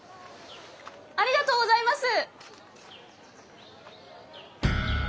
ありがとうございます！